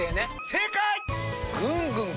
正解！